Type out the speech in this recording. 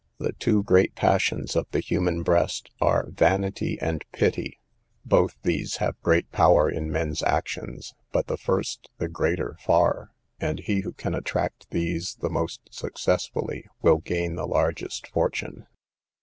The two great passions of the human breast are vanity and pity; both these have great power in men's actions, but the first the greater far; and he who can attract these the most successfully, will gain the largest fortune.